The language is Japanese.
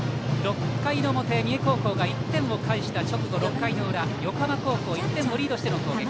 ６回の表、三重高校が１点を返した直後６回の裏、横浜高校１点をリードしての攻撃。